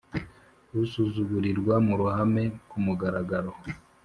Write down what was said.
Usuzugurirwa muruhame kumugaragaro